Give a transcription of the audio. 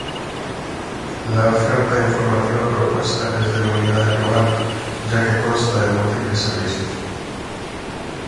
La oferta informativa propuesta es denominada global, ya que consta de múltiples servicios.